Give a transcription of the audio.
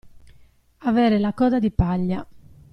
Avere la coda di paglia.